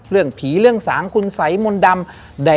เรื่องผีเรื่องสางคุณสัยมนต์ดำ